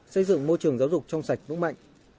xây dựng môi trường giáo dục trong sạch vững mạnh